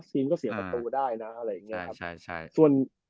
ทีมก็เสียประตูได้นะอะไรอย่างเงี้ย